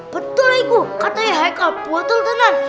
betul iku katanya heikal buat teltenan